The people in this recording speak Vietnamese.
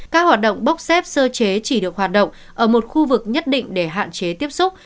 các hoạt động bốc xếp sơ chế chỉ được hoạt động ở một khu vực nhất định để hạn chế tiếp xúc